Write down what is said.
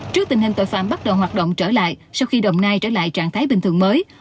trước tình hình tội phạm bắt đầu hoạt động trở lại sau khi đồng nai trở lại trạng thái bình thường mới